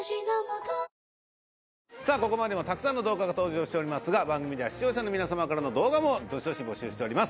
ここまでもたくさんの動画が登場しておりますが番組では視聴者の皆様からの動画もどしどし募集しております